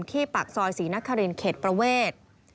ปากซอยศรีนครินเขตประเวท